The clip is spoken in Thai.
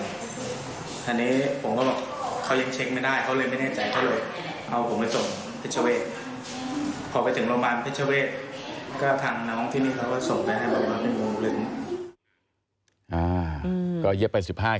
ก็ทางน้องที่นี่เขาก็ส่งไปให้เรามาเป็นงูลึ้ง